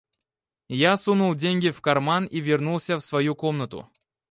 Я сунул деньги в карман и вернулся в свою комнату.